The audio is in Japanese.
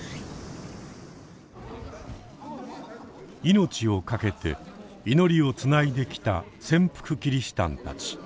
命をかけて祈りをつないできた潜伏キリシタンたち。